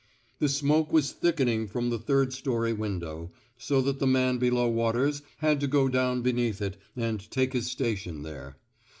The smoke was thickening from the third story window, so that the man below Waters had to go down beneath it and take his sta tion there.